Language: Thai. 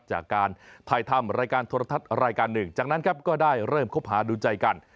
จากการถ่ายทำรายการโทรทัศน์รายการหนึ่งจากนั้นครับก็ได้เริ่มคบหาดูใจกัน